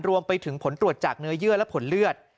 รวมไปถึงผลตรวจจากเนื้อเยื่อและผลเลือด